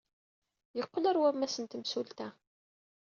Yeqqel ɣer wammas n temsulta.